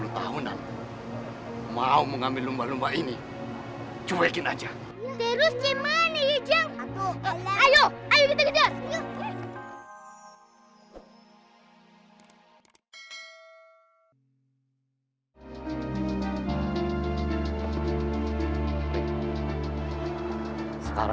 sepuluh tahunan mau mengambil lomba lomba ini cuekin aja terus cuman ijang ayo ayo kita kerjas